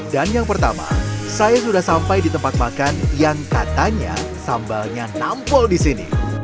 dan yang pertama saya sudah sampai di tempat makan yang katanya sambalnya nampol di sini